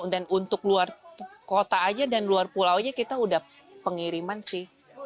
dan untuk luar kota aja dan luar pulau aja kita udah pengiriman sih